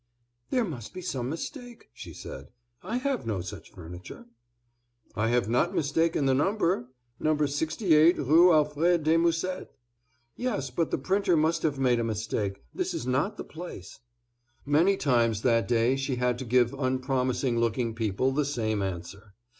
"There must be some mistake," she said. "I have no such furniture." "I have not mistaken the number—No. 68 Rue Alfred de Musset." "Yes, but the printer must have made a mistake; this is not the place." Many times that day she had to give unpromising looking people the same answer.